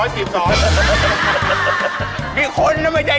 อายุอายุอะไรเนี่ย